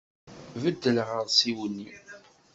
Beddel aɣersiw-nni!